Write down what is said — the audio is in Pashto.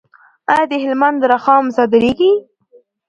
آیا د هلمند رخام صادریږي؟